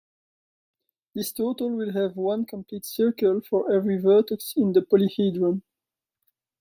This total will have one complete circle for every vertex in the polyhedron.